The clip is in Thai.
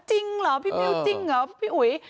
จริงเหรอพี่มิวจริงเหรอพี่อุ๋ย